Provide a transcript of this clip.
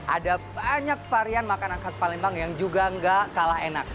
ada banyak varian makanan khas palembang yang juga gak kalah enak